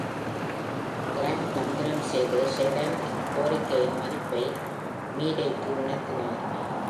Grant தந்திரம் செய்து, Sheridan இன் கோரிக்கையின் மதிப்பை Meadeக்கு உணர்த்தினார்.